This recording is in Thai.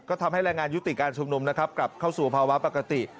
ก็ทำให้แรงงานยุติการชุมนุมนะครับกลับเข้าสู่ภาวะปกติ